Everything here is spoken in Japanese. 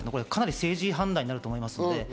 かなり政治判断になると思います。